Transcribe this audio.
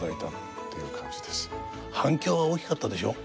反響は大きかったでしょ？